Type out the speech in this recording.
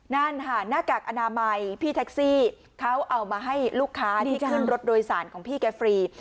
นั่นค่ะหน้ากากอนามัยพี่แท็กซี่เขาเอามาให้ลูกค้าที่ขึ้นรถโดยสารของพี่แกฟรี